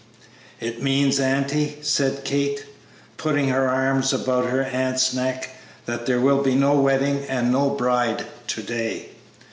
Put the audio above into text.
"It means, auntie," said Kate, putting her arms about her aunt's neck, "that there will be no wedding and no bride to day."